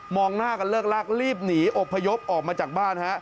หน้ากันเลิกลากรีบหนีอบพยพออกมาจากบ้านฮะ